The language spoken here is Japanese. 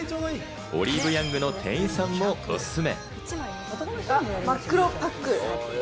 オリーブヤングの店員さんもおすすめ。